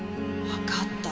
わかった。